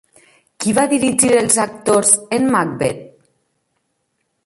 Qui va dirigir els actors en Macbeth?